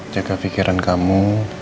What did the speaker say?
jaga pikiran kamu